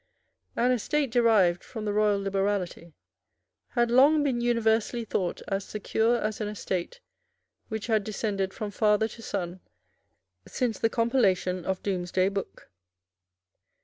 An estate derived from the royal liberality had long been universally thought as secure as an estate which had descended from father to son since the compilation of Domesday Book.